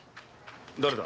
誰だ？